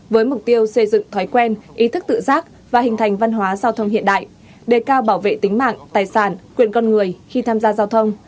với mục tiêu xây dựng thói quen ý thức tự giác và hình thành văn hóa giao thông hiện đại đề cao bảo vệ tính mạng tài sản quyền con người khi tham gia giao thông